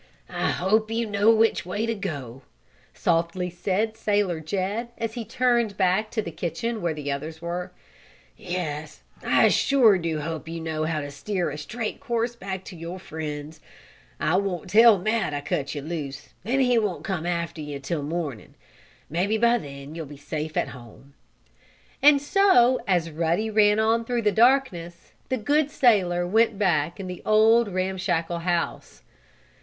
"I hope you know which way to go," softly said Sailor Jed, as he turned to go back to the kitchen where the others were. "Yes, I sure do hope you know how to steer a straight course back to your friends. I won't tell Matt I cut you loose, then he won't come after you until morning. Maybe, by then, you'll be safe at home." And so, as Ruddy ran on through the darkness, the good sailor went back in the old, ramshackle house.